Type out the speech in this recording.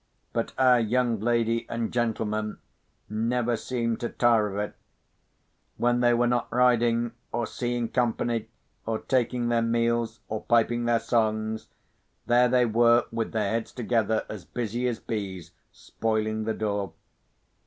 But our young lady and gentleman never seemed to tire of it. When they were not riding, or seeing company, or taking their meals, or piping their songs, there they were with their heads together, as busy as bees, spoiling the door.